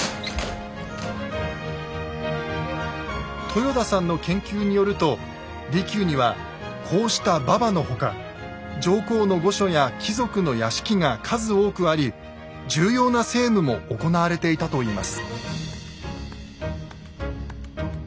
豊田さんの研究によると離宮にはこうした馬場の他上皇の御所や貴族の屋敷が数多くあり重要な政務も行われていたといいます。